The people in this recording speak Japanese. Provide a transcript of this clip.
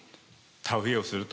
田植えをすると。